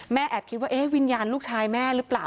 แอบคิดว่าวิญญาณลูกชายแม่หรือเปล่า